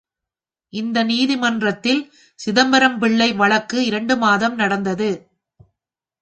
இந்த நீதிமன்றத்தில் சிதம்பரம்பிள்ளை வழக்கு இரண்டு மாதம் நடந்தது.